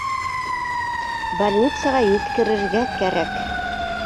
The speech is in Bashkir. Больницаға еткерергә кәрәк